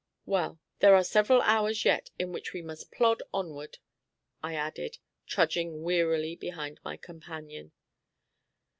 "Well, there are several hours yet, in which we must plod onward," I added, trudging wearily behind my companion.